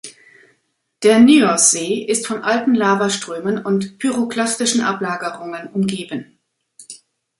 Der Nyos-See ist von alten Lavaströmen und pyroklastischen Ablagerungen umgeben.